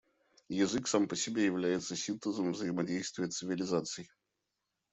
Язык, сам по себе, является синтезом взаимодействия цивилизаций.